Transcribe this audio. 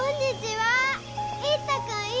はい。